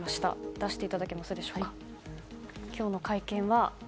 出していただけますでしょうか。